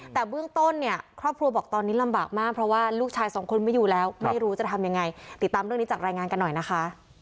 แต่เบื้องต้นเนี่ยครอบครัวบอกตอนนี้ลำบากมากเพราะว่าลูกชายสองคนไม่อยู่แล้วไม่รู้จะทำยังไงติดตามเรื่องนี้จากรายงานกันหน่อยนะคะ